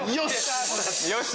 よし！